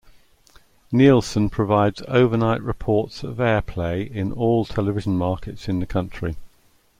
Nielsen provides overnight reports of airplay in all television markets in the country.